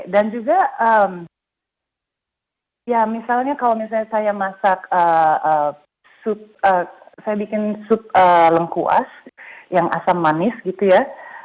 dan juga ya misalnya kalau misalnya saya masak saya bikin sup lengkuas yang asam manis gitu ya